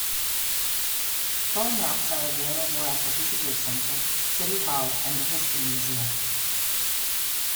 Full maps are available at the visitor center, city hall, and the history museum.